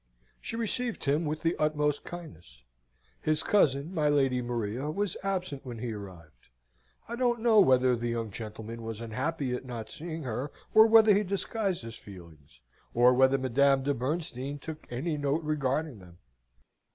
She received him with the utmost kindness. His cousin, my Lady Maria, was absent when he arrived: I don't know whether the young gentleman was unhappy at not seeing her: or whether he disguised his feelings, or whether Madame de Bernstein took any note regarding them.